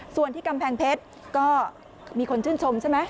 ส่วนที่กำแพงเพชรก็มีคนชื่นชมใช่ไหม